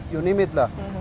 you name it lah